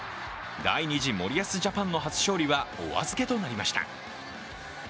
第２次森保ジャパンの初勝利はお預けとなりました。